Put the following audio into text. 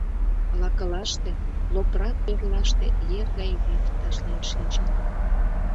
Лакылаште, лопрак верлаште ер гай вӱд ташлен шинчын.